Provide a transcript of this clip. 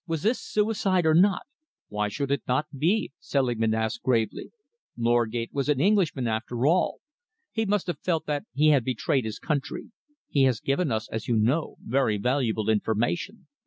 Was this suicide or not?" "Why should it not be?" Selingman asked gravely. "Norgate was an Englishman, after all. He must have felt that he had betrayed his country. He has given us, as you know, very valuable information.